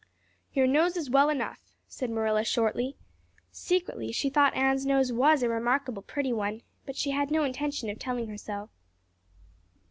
"Your nose is well enough," said Marilla shortly. Secretly she thought Anne's nose was a remarkable pretty one; but she had no intention of telling her so.